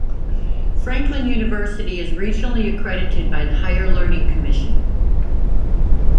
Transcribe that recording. Franklin University is regionally accredited by the Higher Learning Commission.